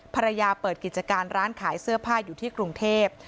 ภรรยาเปิดกิจการร้านขายเสื้อผ้าอยู่ที่กรุงเทพ